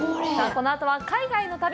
このあとは海外の旅。